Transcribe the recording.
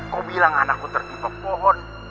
kau bilang anakku tertimpa pohon